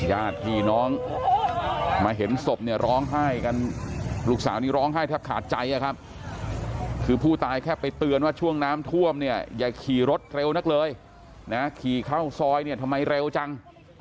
ญาติพี่น้องมาเห็นศพเนี่ยร้องไห้กันลูกสาวนี้ร้องไห้แทบขาดใจอะครับคือผู้ตายแค่ไปเตือนว่าช่วงน้ำท่วมเนี่ยอย่าขี่รถเร็วนักเลยนะขี่เข้าซอยเนี่ยทำไมเร็วจัง